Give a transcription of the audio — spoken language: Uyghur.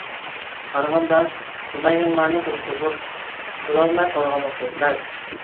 قارىغاندا گۇناھىڭلارنى توشقۇزۇپ بولالماي قالغان ئوخشايسىلەر!